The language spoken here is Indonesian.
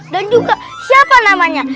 dan juga siapa namanya